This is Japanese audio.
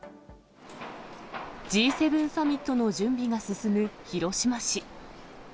Ｇ７サミットの準備が進む広島市。